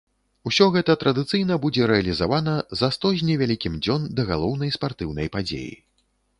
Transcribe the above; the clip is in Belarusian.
Усё гэта традыцыйна будзе рэалізавана за сто з невялікім дзён да галоўнай спартыўнай падзеі.